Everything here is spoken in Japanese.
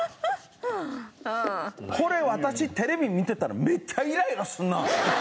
これ私テレビ見てたらめっちゃイライラするな。